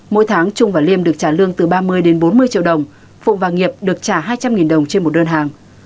mỗi tháng trung và liêm được trả lương từ ba mươi đến bốn mươi triệu đồng phụng và nghiệp được trả hai trăm linh đồng trên một đơn hàng